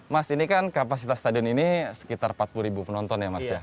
mas ini kan kapasitas stadion ini sekitar empat puluh ribu penonton ya mas ya